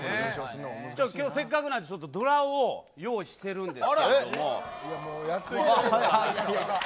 きょう、せっかくなんで、ちょっとドラを用意してるんですけども。